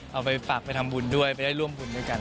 เอาไปฝากไปทำบุญด้วยไปได้ร่วมบุญด้วยกัน